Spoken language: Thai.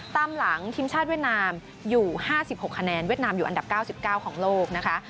ตามหลังทีมชาติเวียดนามอยู่๕๖คะแนนเวียดนามอยู่อันดับ๙๙ของโลกนะคะ